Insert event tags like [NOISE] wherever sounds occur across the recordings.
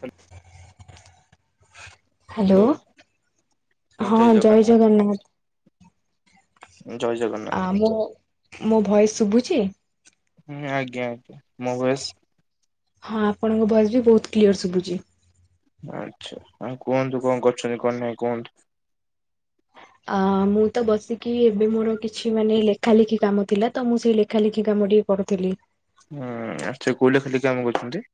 Hello. Hello. ହଁ, ଜୟ ଜଗନ୍ନାଥ। ଜୟ ଜଗନ୍ ଆ ମୁଁ, ମୋ ଭଏସ ଶୁଭୁଛି? ହୁଁ, ଆଜ୍ଞା। ମୋ ଭଏସ? ହଁ, ଆପଣଙ୍କ ଭଏସ୍ ବି ବହୁତ କ୍ଲିୟର ଶୁଭୁଚି। ଆଚ୍ଛା। ଆଉ କୁହନ୍ତୁ କଣ କରୁଛନ୍ତି କଣ ନାହିଁ କୁହନ୍ତୁ? ଅ ମୁଁ ତ ବସିକି ଏବେ ମୋର କିଛି ମାନେ ଲେଖା ଲେଖି କାମ ଥିଲା। ତ ମୁଁ ସେଇ ଲେଖା ଲେଖି କାମଟି ପଢୁଥିଲି। ହୁଁ, ଆ ସେ କୋଇଲା ଖାଣୀରେ କାମ କରୁଛନ୍ତି।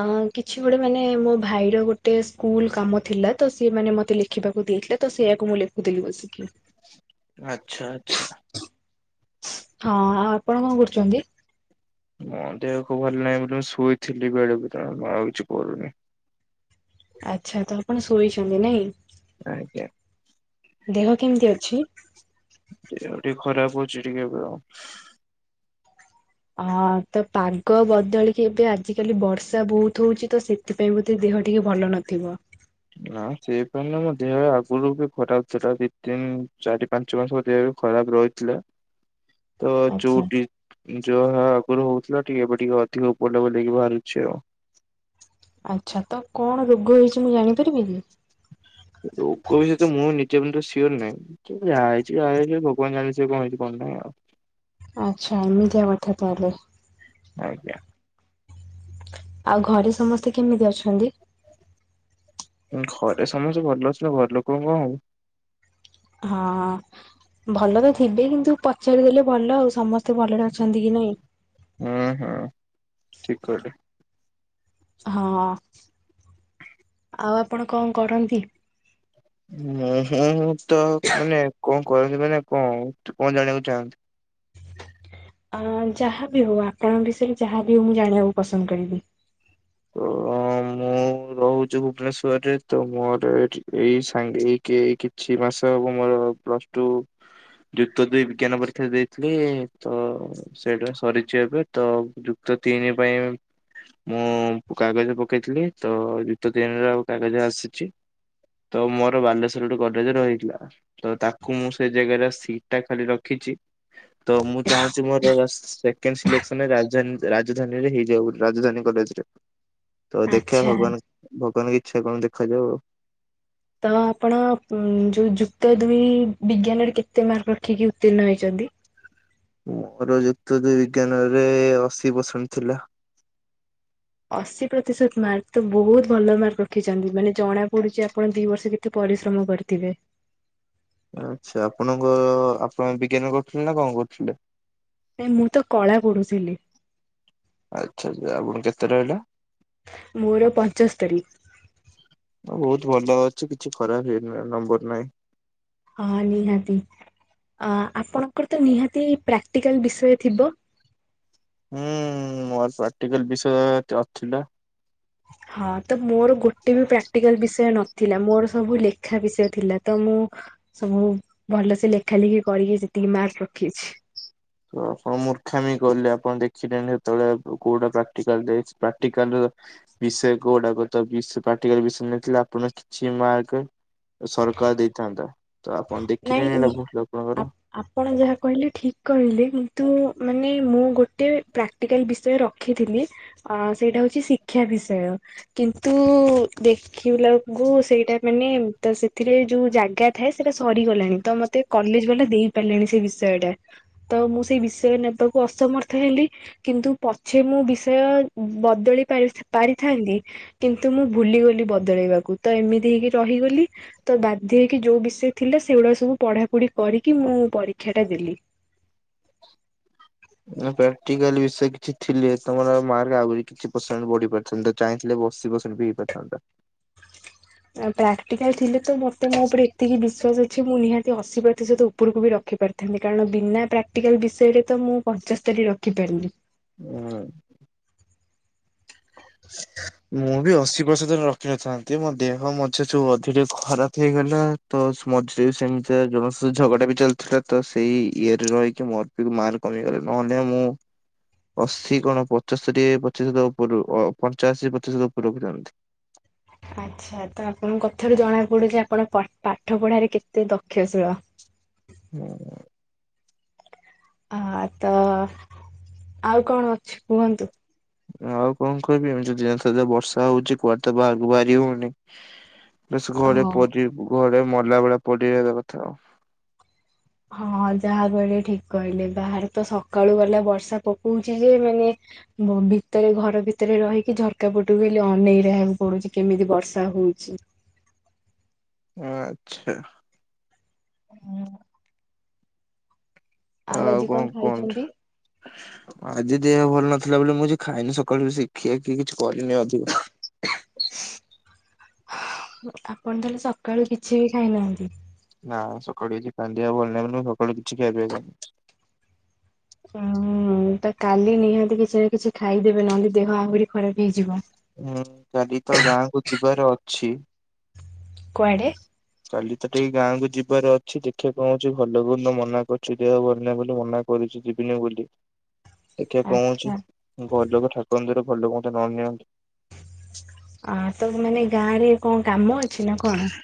ଅ କିଛି ଗୋଟେ ମାନେ ମୋ ଭାଇର ଗୋଟେ ସ୍କୁଲ କାମ ଥିଲା। ତ ସିଏ ମାନେ ମତେ ଲେଖ ଲେଖିବାକୁ ଦେଇଥିଲେ। ତ ସେଇଆକୁ ମୁଁ ଲେଖୁଥିଲି ବସିକି। ଆଚ୍ଛା, ଆଚ୍ଛା। ହଁ, ଆଉ ଆପଣ କଣ କରୁଛନ୍ତି? ମୋ ଦେହକୁ ଭଲ ନାହିଁ ବୋଲି ମୁଁ ଶୋଇଥିଲି ବେଡ ଉପରେ, ମୁଁ ଆଉ କିଛି କରୁନି। ଆଚ୍ଛା, ତ ଆପଣ ଶୋଇଛନ୍ତି ନାଇଁ କି? ଆଜ୍ଞା। ଦେହ କେମିତି ଅଛି? ଦେହ ଟିକେ ଖରାପ ଅଛି ଟିକେ ଏବେ ଆଉ। ହଁ, ତ ପାଗ ବଦଳିକି ଏବେ ଆଜିିକାଲି ବର୍ଷା ବହୁତ ହଉଚି। ତ ସେ ସେଥିପାଇଁ ବୋଧେ ଦେହ ଟିକେ ଭଲ ନଥିବ। ନା ସେଇପାଇଁ ନୁହଁ, ମୋ ଦେହ ଆଗରୁ ବି ଖରାପ ଥିଲା। ଦି, ତିନି, ଚାରି ପାଞ୍ଚ ମାସ ପରିକା ବି ଖରାପ ରହିଥିଲା। ତ ଚୁ ଆଚ୍ଛା ଯାହା ଆଗରୁ ହଉଥିଲା, ଟିକେ ଏବେ ଟିକେ ଅଧିକ ବୁଲା ବୁଲି ହେଇକି ବାହାରୁଛି ଆଉ। ଆଚ୍ଛା, ତ କଣ ରୋଗ ହେଇଛି, ମୁଁ ଜାଣିପାରିବି କି? କହୁଚନ୍ତି ତ, ମୁଁ ନିଯେ କିନ୍ତୁ ସିଓର ନୁହେଁ ଯାହାହେଇଚି ଯାହାହେଇଚି, ଭଗବାନ ଜାଣି ଥିବେ କଣ ହେଇଛି କଣ ନାଇଁ ଆଉ। ଆଚ୍ଛା, ଏମିତିଆ କଥା ତାହାଲେ। ଆଜ୍ଞା। ଆଉ ଘରେ ସମସ୍ତେ କେମିତି ଅଛନ୍ତି? ଘରେ ସମସ୍ତେ ଭଲ ଅଛନ୍ତି। ଘର ଲୋକଙ୍କୁ କଣ ହବ? ହଁ, ଭଲ ତ ଥିବେ, କିନ୍ତୁ ପଚାରିଦେଲେ ଭଲ ଆଉ ସମସ୍ତେ ଭଲରେ ଅଛନ୍ତି କି ନାଇଁ? ହୁଁ ହୁଁ ଠିକ୍ କହିଲୁ। ହଁ ଆଉ ଆପଣ କଣ କରନ୍ତି। ଉଁ ହୁଁଁ ମୁଁ ତ ମାନେ କଣ କରନ୍ତି ମାନେ କଣ କଣ ଜାଣିବାକୁ ଚାହାଁନ୍ତି? ଅ ଯାହା ବିି ହଉ ଆପଣଙ୍କ ବିଷୟରେ ଯାହାବି ହଉ ମୁଁ ଜାଣିଆକୁ ପସନ୍ଦ କରିବି। ତ ମୁଁ ରହୁଚୁ ଭୁବନେଶ୍ୱରରେ ତ ମୋର ଏଠି ଏଇ ସାଙ୍ଗେ କେଇ କିଛି ମାସ ହବ ମୋର ପ୍ଲସ୍ ଟୁ ଯୁକ୍ତ ଦୁଇ ବିଜ୍ଞାନ ପରୀକ୍ଷା ଦେଇଥିଲି ତ ସେଇଟା ସରିଛି ଏବେ ତ ଯୁକ୍ତ ତିନି ପାଇଁ ମୁଁ କାଗଜ ପକେଇଥିଲି ତ ଯୁକ୍ତ ଦୁଇ ଦିନରେ ଆଉ କାଗଜ ଆସିଛି। ତ ମୋର ବାଲେଶ୍ୱରର ଗଡ଼ରେଜର ହେଇଥିଲା ବା। ତ ତାକୁ ମୁଁ ସେ ଜାଗାରେ ସିଟ୍ ଟା ଖାଲି ରଖିଛି। ତ ମୁଁ ଚାହୁଁଛି ମୋର ସେକେଣ୍ଡ ସିଲେକ୍ସନରେ ରାଜଧାନୀ ରାଜଧାନୀରେ ହେଇଯାଉ। ରାଜଧାନୀ କଲେଜରେ ତ ଦେଖିଆ ଆଚ୍ଛା ଭଗବାନ ଭଗବାନଙ୍କ ଇଚ୍ଛା କଣ ଦେଖାଯାଉ ଆଉ। ତ ଆପଣ ଯୁ-ଯୁ-ଯୁକ୍ତ ଦୁଇ ବିଜ୍ଞାନରେ କେତେ ମାର୍କ ରଖିକି ଉତ୍ତୀର୍ଣ୍ଣ ହେଇଛନ୍ତି। ମୋର ଯୁକ୍ତ ଦୁଇ ବିଜ୍ଞାନରେ ଅଶୀ ପରସେଣ୍ଟ ଥିଲା। ଅଶୀ ପ୍ରତିଶତ ମାର୍କ ତ ବହୁତ ଭଲ ମାର୍କ ରଖିଛନ୍ତି ମାନେ ଜଣା ପଡୁଛି ଆପଣ ଦି ବର୍ଷ ଭି ତରେ ପରିଶ୍ରମ କରିଥିବେ। ଆଚ୍ଛା ଆପଣଙ୍କ ଆପଣ ବିଜ୍ଞାନ କରୁଥିଲେ ନା କଣ କରୁଥିଲେ ନା କଣ କରୁଥିଲେ? ନାଇ ମୁଁ ତ କଳା ପଢୁଥିଲି। ଆଚ୍ଛା ଆଚ୍ଛା ଆପଣ କେତେ ରହିଲା? ମୋର ପଞ୍ଚସ୍ତରୀ। ବହୁତ ଭଲ ଅଛି କିଛି ଖରାପ ହେଇନି ନମ୍ବର ନାହିଁ। ହଁ ନିହାତି ଆ ଆପଣଙ୍କର ତ ନିହାତି ପ୍ରାକ୍ଟିକାଲ ବିଷୟ ଥିବ? ହୁଁ ମୋର ପ୍ରାକ୍ଟିକାଲ ବିଷୟ ଅ ଥିଲା। ହଁ ତ ମୋର ଗୋଟେ ବି ପ୍ରାକ୍ଟିକାଲ ବିଷୟ ନଥିଲା ମୋର ସବୁ ଲେଖା ବିଷୟ ଥିଲା। ତ ମୁଁ ସବୁ ଭଲସେ ଲେଖା ଲେଖି କରିକି ସେତିକି ମାର୍କ ରଖେଇଛି। ତ ଆପଣ ମୂର୍ଖାମି କଲେ ଆପଣ ଦେଖିଲେଣି ସେତେବେଳେ କୋଉ କୋଉଟା ପ୍ରାକ୍ଟିକାଲ ଦେଇଛି ପ୍ରାକ୍ଟିକାଲରୁ ବିଷୟ କୋଉଡାକ ଚବିଶି ପ୍ରାକ୍ଟିକାଲ ବିଷୟ ନେଇଥିଲା ଆପଣ କିଛି ମାର୍କ ଓ ସରକାର ଦେଇଥାନ୍ତା ତ ଆପଣ ଦେଖିଲେ ନାଇଁ ଭାବିବ ଆ ଲୋକଙ୍କର ଆପଣ ଯାହା କହିଲେ ଠିକ୍ କହିଲେ କିନ୍ତୁ ମାନେ ମୁଁ ଗୋଟେ ପ୍ରାକ୍ ପ୍ରାକ୍ଟିକାଲ ବିଷୟ ରଖିଥିଲି ଆ ସେଇଟା ହଉଛି ଶିକ୍ଷା ବିଷୟ। କିନ୍ତୁ ଦେଖିଲା ବେଳକୁ ସେଇଟା ମାନେ ତ ସେଥିରେ ଯୋଉ ଜାଗା ଥାଏ ସେଇଟା ସରିଗଲାଣି ତ ମତେ କଲେଜବାଲା ଦେଇ ପାରିଲେଣି ସେ ବିଷୟଟା। ତ ମୁଁ ସେଇ ବିଷୟ ନେବାକୁ ଅସମର୍ଥ ହେଲି। କିନ୍ତୁ ପଛେ ମୁଁ ବିଷୟ ବଦଲେଇ ପାରିଥା-ପାରିଥାନ୍ତି। କିନ୍ତୁ ମୁଁ ଭୁଲିଗଲି ବଦଳେଇବାକୁ ତ ଏମିତି ହେଇକି ରହିଗଲି ତ ବାଧ୍ୟ ହେଇକି ଯୋଉ ବିଷୟ ଥିଲା ସେଗୁଡାକ ସବୁ ପଢ଼ାପଢ଼ି କରିକି ମୁଁ ପରୀକ୍ଷାଟା ଦେଲି। ଏ ପ୍ରାକ୍ଟିକାଲ ବିଷୟ କିଛି ଥିଲେ ତମର ମାର୍କ ଆହୁରି କିଛି ପର୍ସେଣ୍ଟ ବଢିପାରି ସେମିତି ଚାହିଁଥିଲେ ବସି ବସି ଦିଟା ଥାନ୍ତା। ଆ ପ୍ରାକ୍ଟିକାଲ ଥିଲେ ତ ମତେ ମୋ ଉପରେ ଏତିକି ବିଶ୍ଵାସ ଅଛି ମୁଁ ନିହାତି ସେ ଅଶୀ ପ୍ରତିଶତ ଉପରକୁ ବି ରଖିପାରିଥାନ୍ତେ କାରଣ ବିନା ପ୍ରାକ୍ଟିକାଲ୍ ବିଷୟରେ ତ ମୁଁ ପଞ୍ଚସ୍ତରୀ ରଖିପାରୁନି। ହୁଁ। ଶିଖା ମୁଁ ବି ଅଶୀ ପ୍ରତିଶତ ରଖିନଥାନ୍ତି ମୋ ଦେହ ମଝିରେ ଯୋଉ ଅଧିକ ଖରାପ ହେଇଗଲା। ତସ ମଝିରେ ସେମିତିଆ ଜମା ସ ଝଗଡା ବି ଚାଲିଥିଲା ତ ସେଇ ଇଏ ରେ ରହିକି ମର ଲୁ ମାଲ କମିଗଲେ ନହେଲେ ମୁଁ। ଅଶୀ କଣ ପଚସ୍ତରି ପ୍ରତିଶତ ଉପରୁ ଅ ପଞ୍ଚାଅଶୀ ପ୍ରତିଶତ ଉପରୁ ଆଣନ୍ତି। ଆଚ୍ଛା ତ ଆପଣଙ୍କୁ କଥାରୁ ଜଣାପଡ଼ୁଛି ଆପଣ ପାଠ ପାଠ ପଢ଼ାରେ କେତେ ଦକ୍ଷଶୀଳ। ହୁଁ। ହା ତ ଆଉ କଣ ଅଛି କୁହନ୍ତୁ। ଆଉ କଣ କହିବି ଏମି ଯିିଏନଥେ ବର୍ଷା ହଉଛି କୁଆଡେ ତ ବାହାରକୁ ବାହାରି ହଉନି। ବାସ ଘରେ ହଁ। ପରି ଘରେ ମଲା ଭଳିଆ ପଡି ରହିବା କଥା ଆଉ। ହଁ ଯାହାବେଳେ ଠିକ କହିଲେ ବାହାରେ ତ ସକାଳୁ ଗଲା ବର୍ଷା ପକଉଛି ଯେ ମେ ମୁଁ ଭିତରେ ଘର ଭିତରେ ରହିକି ଝରକା ପଟକୁ ଏଇଲେ ଅନେଇ ରହିଆକୁ ପଡୁଛି କେମିତି ବର୍ଷା ହଉଛି। ଆଛା। ହୁଁ। ଆଜି ଆଉ କଣ ଖାଇଛନ୍ତି? କୁହନ୍ତୁ। ଆଜି ଦେହ ଭଲ ନଥିଲା ବୋଲି ମୁଁ ଯେ ଖାଇନି ସକାଳୁ ବେସି ଖିଆ ଖିଇ କିଛି କରିନି ଅଧିକ। ଆପଣ ତାହେଲେ ସକାଳୁ କିଛି ବି ଖାଇନାହାନ୍ତି। ନା ସକାଳୁ କିଛି କାନ୍ଦିଆ ଭଲ ନାଁଇ ବୋଲି ମୁଁ ସକାଳୁ କିଛି ଖିଆ ପିଆ କରିନି। ହୁଁ ହୁଁ ତ କାଲି ନିହାତି କିଛି ଏଁ କିଛି ଖାଇଦେବେ ନହେଲେ ଦେହ ଆହୁରି ଖରାପ ହେଇଯିବ। ମୁଁ ତ କାଲି ତ ଗାଁ କୁ ଯିବାର ଅଛି। କୁଆଡ଼େ? କାଲି ତ କେଇ ଗାଁକୁ ଯିବାର ଅଛି ଦେଖିବା କଣହୁଛି ଭଲ ହଉ ତ ମନା କରୁଛି ଦେହ ଭଲ ନାହିଁ ବୋଲି ମନା କରୁଚି ଯିବିନେ ବୋଲି। ଦେଖିବା କଣ ହଉଛି ଆଚ୍ଛା ଗଲୁକଥା ଠାକୁରଙ୍କ ଦୟାରୁ ଭଲୋକ ମେତେ ନ ନିଅନ୍ତୁ। ଆ ତ ମାନେ ଗାଁ ରେ କଣ କାମ ଅଛି ନା କଣ?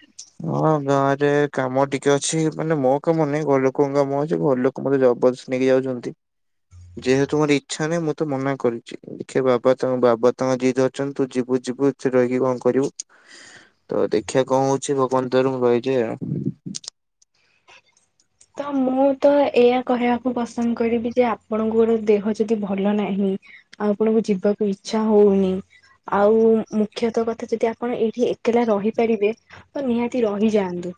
ହଁ ଗାଁ ରେ କାମ ଟିକେ ଅଛି। ମାନେ ମୋ କାମ ନାହିଁ ଘର ଲୋକଙ୍କ କାମ ଅଛି ଘର ଲୋକ କୁ ମତେ ଜବରଦସ୍ତି ନେଇକି ଯାଉଛନ୍ତି। ଯେହେତୁ ମୋର ଇଚ୍ଛା ନାହିଁ ମୁଁ ତ ମନା କରିଛି ଦେଖିଆ ବାବା ତ ବାବା ତଙ୍କ ଯିଦ ଅଛନ୍ତି ତୁ ଯିବୁ ଯିବୁ! ସେଠି ରହିକି କଣ କରିବୁ! ତ ଦେଖିବା କଣ ହଉଛି ଭଗବାନ ଦୟାରୁ ମୁଁ ରହିଯାଏ ଆଉ। ତ ମୁଁ ତ ଏଇଆ କହିବାକୁ ପସନ୍ଦ କରିବି ଯେ ଆପଣଙ୍କୁର ଦେହ ଯଦି ଭଲ ନାହିଁ ଆଉ ଆପଣଙ୍କୁ ଯିବାକୁ ଇଛା ହଉନି ଆଉ ମୁଖ୍ୟତଃ କଥା ଯଦି ଆପଣ ଏଇଠି ଏତ ଏକେଲା ରହିପାରିବେ ତ ନିହାତି ରହିଯାଆନ୍ତୁ।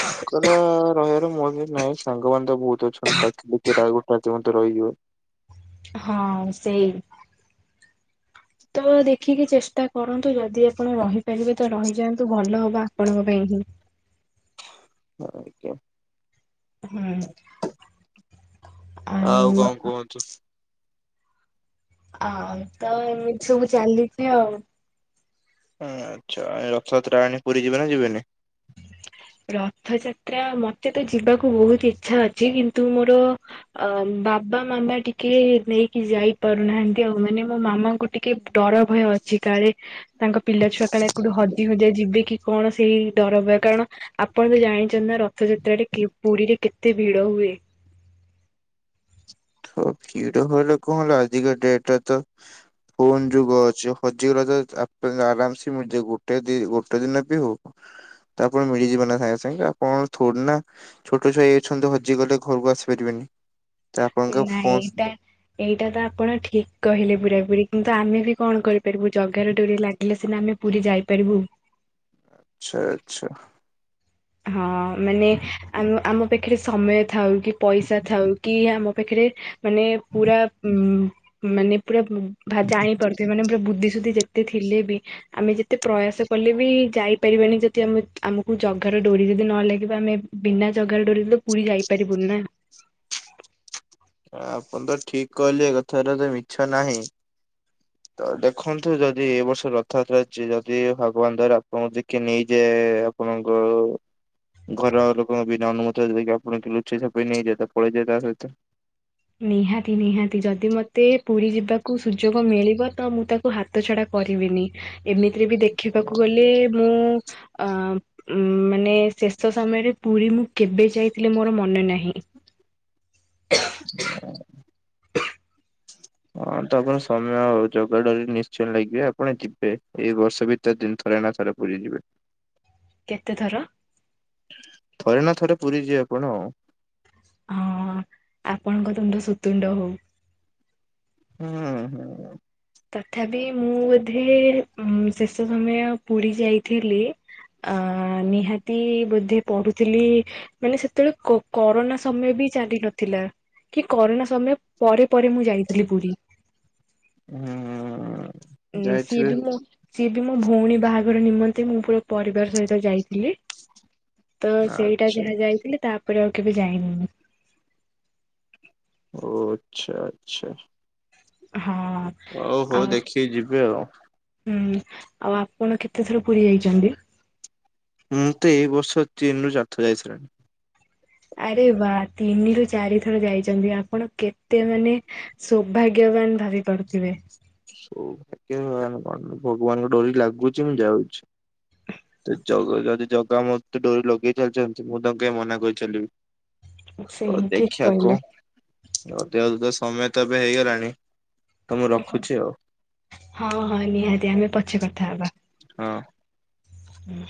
ଏକଲା ରହିବାର ମୋରବି ନାହିଁ। ସାଙ୍ଗମାନେ ତ ବହୁତ ଅଛନ୍ତି ଡାକିଲେ କିଏ ଟା ରହିବ ରାତି ଘଟେ ରହିଯିବ। ହଁ ସେଇ। ତ ଦେଖିକି ଚେଷ୍ଟା କରନ୍ତୁ ଯଦି ଆପଣ ରହିପାରିବେ ତ ରହିଯାଆନ୍ତୁ ଭଲ ହବ ଆପଣଙ୍କ ପାଇଁ ହିଁ। ହ ଆଜ୍ଞା। ହୁଁ ଆଉ କଣ କୁହନ୍ତୁ? ଆଉ ତ ଏମିତି ସବୁ ଚାଲିଛି ଆଉ। ଆଚ୍ଛା ଆଏ ରଥଯାତ୍ରା ଆଣି ପୁରୀ ଯିବେ ନା ଯିବେନି! ରଥଯାତ୍ରା ମତେ ତ ଯିବାକୁ ବହୁତ ଇଚ୍ଛା ଅଛି କିନ୍ତୁ ମୋର- ଅ ବାବା ମାମା ଟିକେ ନେଇକି ଯାଇ ପାରୁନାହାନ୍ତି ଆଉ ମାନେ ମୋ ମାମାଙ୍କୁ- ଟିକେ ଡର ଭୟ ଅଛି କାଳେ ତାଙ୍କ ପିଲା ଛୁଆ କାଳେ କୋଉଠି ହଜି ହୁଜା ଯିବେ କି କଣ ସେଇ ଡର ଭ- କାରଣ ଆପଣ ତ ଜାଣିଛନ୍ତି ନା ରଥଯାତ୍ରାରେ କି ପୁରୀରେ କେତେ ଭିଡ ହୁଏ। ଅ ଭିଡ଼ ହୋହିଲେ କଣ ହେଲା ଆଜିକା ଡେଟେର ତ- ଫୋନ ଯୁଗ ଅଛି ହଜିଗଲା ତ ଆପ ଆରାମସେ ମିଳିଯିବ ଗୋଟେ ଦ ଗୋଟେ ଦିନ ବି ହଉ। ତ ଫୁଣି ମିଳିଯିବ ନା ସାଙ୍ଗେ ସାଙ୍ଗେ କଣ ଥୋଡି ନା ଛୋଟ ଛୁଆ ହେଇଜାଇଛନ୍ତି ହଜି ଗଲେ ଘରକୁ ଆସିପାରିବେନି। ତ ଆପଣଙ୍କ ନାଁ ଫୋନ ଏଇଟା ଏଇଟା ତ ଆପଣ ଠିକ କହିଲେ ପୁରାପୁରି କିନ୍ତୁ ଆମେ ବି କଣ କରି ପାରିବୁ ଜଗାର ଡୋରି ଲାଗିଲେ ସିନା ଆମେ ପୁରୀ ଯାଇପାରିବୁ। ଛା ଆଚ୍ଛା। ହଁ ମାନେ ଆମ ଆମ ପାଖରେ ସମୟ ଥାଉ କି ପଇସା ଥାଉ କି ଆମ ପାଖରେ ମାନେ ପୁରା ମାନେ ପୁରା ଜାଣି ପାରୁଥିବ ମାନେ ପୁରା ବୁଦ୍ଧି ସୁୁଦ୍ଧି ଯେ ତେ ଥିଲେ ବି ଆମେ ଯେତେ ପ୍ରୟାସ କଲେ ବି ଯାଇପାରିବାନି ଯଦି ଆମ ଆମକୁ ଜ ଗାର ଡୋରି ଯଦି ନ ଲାଗିବ ଆମେ ବିନା ଜଗାର ଡୋରି ରେ ପୁରୀ ଯାଇପାରିବୁନି ନା। ଆପଣ ତ ଠିକ କହିଲେ ଏ କଥାରେ ତ ମିଛ ନାହିଁ। ତ ଦେଖନ୍ତୁ ଯଦି ଏ ବର୍ଷ ରଥଯାତ୍ରା ଅଛି ଯଦି ଭଗବାନ ଦୟାରୁ ଆପଣଙ୍କୁ ଦେଖି କିଏ ନେଇଯାଏ ଆପଣଙ୍କ ଘର ଲୋକଙ୍କ ବିନା ଅନୁମତି ଯଦି କି ଆପଣ ଲୁଚେଇ ଛପେଇ ନେଇଯାଏ ପଳେଇଯାଏ ତା ସହିତ। ନିହାତି ନିହାତି ଯଦି ମତେ ପୁରୀ ଯିବାକୁ ସୁଯୋଗ ମିଳିବ ତ ମୁଁ ତାକୁ ହାତ ହାତ ଛଡା କରିବିନି ଏମିତିରେ ବି ଦେଖିବାକୁ ଗଲେ ମୁଁ ଅ ଉ ମାନେ ଶେଷ ସମୟରେ ପୁରୀ ମୁଁ କେବେ ଯାଇଥିଲି ମୋର ମନେ ନାହିଁ। [INAUDIBLE] ହଁ ତ ଆପଣ ସମୟ ଆଉ ଜଗାଡୋରି ନିଶ୍ଚୟ ଲାଗିବେ ଆପଣ ଯିବେ ଏଇ ବର୍ଷ ଭିତ ତିନ ଥରେ ନା ଥରେ ପୁରୀଯିବେ। କେତେଥର? ଥରେ ନା ଥରେ ପୁରୀ ଯିବେ ଆପଣ। ହଁ ଆପଣଙ୍କ ତୁଣ୍ଡ ସୁତୁଣ୍ଡ ହଉ। ହୁଁ ହୁଁ। ତଥାପି ମୁଁ ବୋଧେ ଉଁ ଶେଷ ସମୟ ପୁରୀ ଯାଇଥିଲି ଅଁ ନିହାତି ବୋଧେ ପଢୁଥିଲି ମାନେ ସେତେବେଳେ କରୋନା ସମୟ ବି ଚାଲି ନଥିଲା। କି କରନା ସମୟ ପରେ ପରେ ମୁଁ ଯାଇଥିଲି ପୁରୀ। ହୁଁ। ଉଁ ସିଏ ଯାଇଥିବେ। ବି ମୁଁ ସିଏ ବି ମୋ ଭଉଣୀ ବାହାଘର ନିମନ୍ତେ ମୁଁ ପୁରା ପରିବାର ସହିତ ଯାଇଥିଲି। ତ ସେଇଟା ଆଚ୍ଛା ଯାହା ଯାଇଥିଲି ତାପରେ ଆଉ କେବେ ଯାଇନି। ଓ ଆଚ୍ଛା ଆଚ୍ଛା। ହଁ ହଁ। ହଉ ହଉ ଦେଖିକି ଯିବି ଆଉ। ହୁଁ ଆଉ ଆପଣ କେତେଥର ପୁରୀ ଯାଇଛନ୍ତି? ମୁଁ ତ ଏଇ ବର୍ଷ ତିନ ରୁ ଚାର୍ଥ ଯାଇ ସାରିଲିଣି। ଆରେ ବା ତିନି ରରୁ ଚାରି ଥର ଯାଇଛନ୍ତି ଆପଣ କେତେ ମାନେ ସୌଭାଗ୍ୟବାନ ଭାବି ପାରୁଥିବେ। ସକ କଣ ଭଗବାନଙ୍କ ଡୋ ରି ଲାଗୁଛି ମୁଁ ଯାଉଛି। ଜ ଯଦି ଜଗା ମୋତେ ଡୋରି ଲଗେଇ ଚାଲିଛନ୍ତି ମୁଁ ତାଙ୍କୁ କେହି ମନା କରି ଚାଲିବି। ତ ସେଇ ଠିକ ଦେଖିଆ କହିଲେ। କଁ ଯଦି ତ ସମୟ ତ ଏବେ ହେଇଗଲାଣି ତ ମୁଁ ରଖୁଛି ଆଉ ହଁ ହଁ ନିହାତି ଆମେ ପଛେ କଥା ହବା। ହଁ। ହୁଁ।